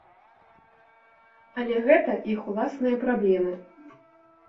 Але гэта іх уласныя праблемы.